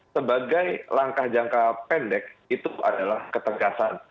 sebagai langkah jangka pendek itu adalah ketegasan